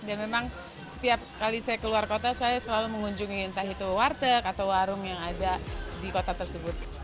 dan memang setiap kali saya keluar kota saya selalu mengunjungi entah itu warteg atau warung yang ada di kota tersebut